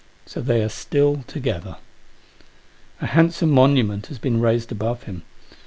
So they are still together. A handsome monument has been raised above him.